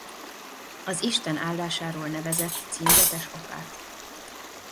Az Isten áldásáról nevezett címzetes apát.